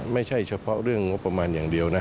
ไม่ใช่เฉพาะเรื่องงบประมาณอย่างเดียวนะ